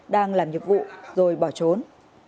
đang làm nhiệm vụ rồi bỏ trốn